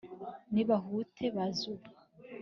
Nibahute baze ubu